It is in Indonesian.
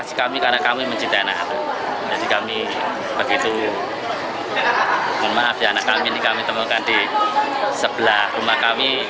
kami begitu mohon maaf ya anak kami ini kami temukan di sebelah rumah kami